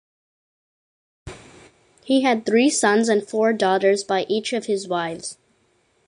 He had three sons and four daughters by each of his wives.